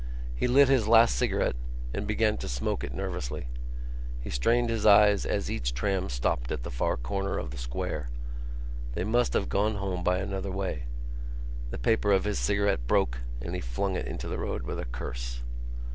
He lit his last cigarette and began to smoke it nervously. He strained his eyes as each tram stopped at the far corner of the square. They must have gone home by another way. The paper of his cigarette broke and he flung it into the road with a curse.